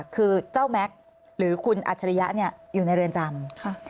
คือเจ้าแม็กซ์หรือคุณอัจฉริยะอยู่ในเรือนจำ